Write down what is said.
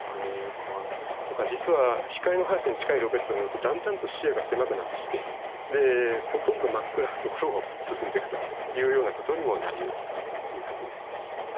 だから実は光の速さに近いロケットに乗るとだんだんと視野が狭くなってきてほとんど真っ暗なところを進んでいくというようなことにもなりうるというふうになります。